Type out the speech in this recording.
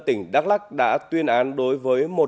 tỉnh đắk lắc đã tuyên án đối với